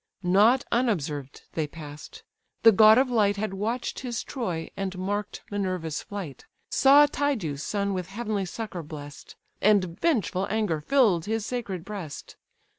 Not unobserved they pass'd: the god of light Had watch'd his Troy, and mark'd Minerva's flight, Saw Tydeus' son with heavenly succour bless'd, And vengeful anger fill'd his sacred breast.